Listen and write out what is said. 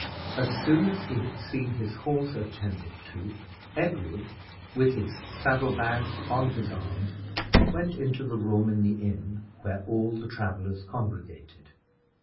As soon as he had seen his horse attended to, Edward, with his saddle bags on his arm, went into the room in the inn where all the travelers congregated.